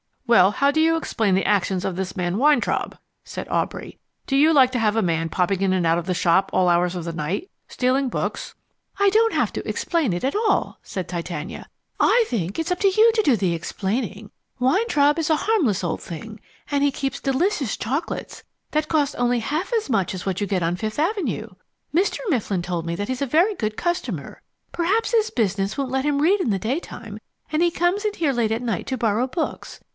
"Well, how do you explain the actions of this man Weintraub?" said Aubrey. "Do you like to have a man popping in and out of the shop at all hours of the night, stealing books?" "I don't have to explain it at all," said Titania. "I think it's up to you to do the explaining. Weintraub is a harmless old thing and he keeps delicious chocolates that cost only half as much as what you get on Fifth Avenue. Mr. Mifflin told me that he's a very good customer. Perhaps his business won't let him read in the daytime, and he comes in here late at night to borrow books.